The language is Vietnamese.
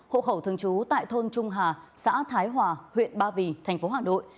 hộ khẩu thường trú tại thôn trung hà xã thái hòa huyện ba vì thành phố hà nội